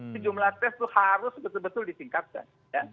sejumlah tes itu harus betul betul ditingkatkan